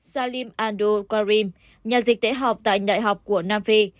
salim andor karim nhà dịch tễ học tại đại học của nam phi